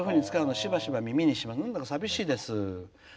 しばしば耳にしてなんだか、寂しいです。